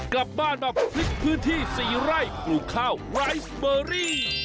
กลับบ้านมาฟลิกพื้นที่สี่ไร่กลุ่มข้าวไรฟ์เบอรี่